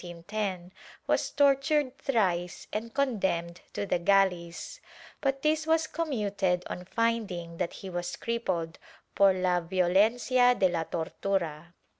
Chap. VII] SEVERITY 23 tiired thrice and condemned to the galleys, but this was com muted on finding that he was crippled "por la violencia de la tortura."